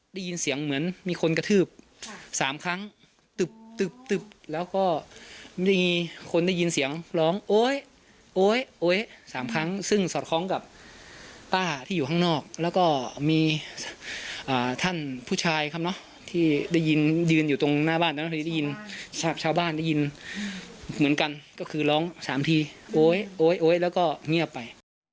ได้ยินเหมือนกันก็คือร้อง๓ทีโอ๊ยโอ๊ยโอ๊ยแล้วก็เงียบไป